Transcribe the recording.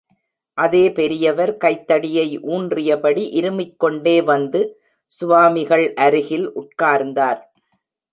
அதே பெரியவர், கைத்தடியை ஊன்றியபடி இருமிக்கொண்டே வந்து, சுவாமிகள் அருகில் உட்கார்ந்தார்.